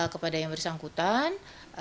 kepada yang bersangkutan